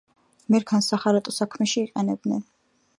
მერქანს სახარატო საქმეში იყენებენ.